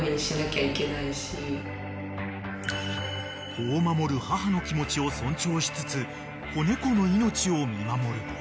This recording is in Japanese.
［子を守る母の気持ちを尊重しつつ子猫の命を見守る］